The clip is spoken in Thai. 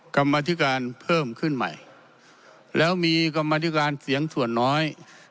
กรรมธิการเพิ่มขึ้นใหม่แล้วมีกรรมธิการเสียงส่วนน้อย